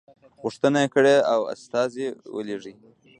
غوښتنه یې کړې وه استازی ولېږي.